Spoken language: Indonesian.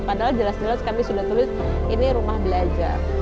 padahal jelas jelas kami sudah tulis ini rumah belajar